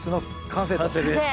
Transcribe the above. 完成です。